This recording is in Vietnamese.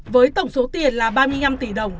với tổng số tiền là ba mươi năm tỷ đồng